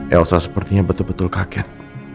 elsa sepertinya betul betul kaget